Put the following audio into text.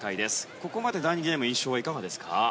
ここまで第２ゲーム、印象はいかがですか？